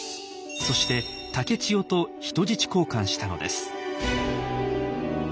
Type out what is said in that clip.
そして竹千代と人質交換したのです。